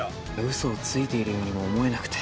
嘘をついているようにも思えなくて。